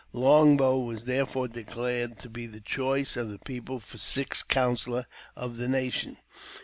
Long Bow was therefore declared to be the choice of the people for sixth counsellor of the nation.